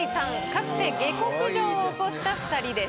かつて下剋上を起こした２人です。